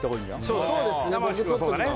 そうですね